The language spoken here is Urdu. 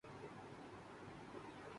حادثے کی وجہ سامنے آگئی